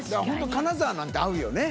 金沢なんて合うよね。